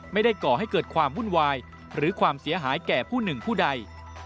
ก่อให้เกิดความวุ่นวายหรือความเสียหายแก่ผู้หนึ่งผู้ใด